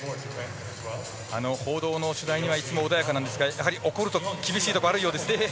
報道の取材には穏やかな表情なんですが怒ると厳しいところがあるようですね。